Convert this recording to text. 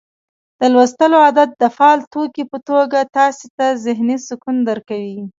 د لوستلو عادت د فعال توکي په توګه تاسي ته ذهني سکون درکړي